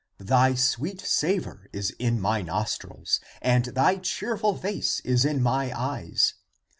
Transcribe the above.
Thy sweet savor is in my nostrils and thy cheerful face is in my eyes.